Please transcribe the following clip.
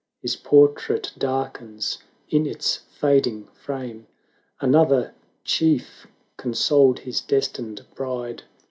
His portrait darkens in its fading frame. Another chief consoled his destined bride.